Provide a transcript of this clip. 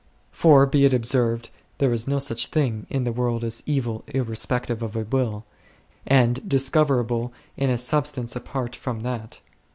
For, be it observed, there is no such thing in the world as evil irrespective of a will, and discoverable in a substance apart from that.